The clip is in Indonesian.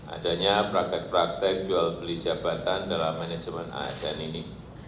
adanya praktek praktek jual beli jabatan dalam manajemen asn ini